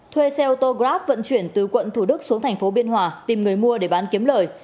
thuê xe autograft vận chuyển từ quận thủ đức xuống tp biên hòa tìm người mua để bán kiếm lời